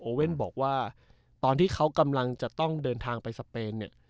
เว่นบอกว่าตอนที่เขากำลังจะต้องเดินทางไปสเปนเนี่ย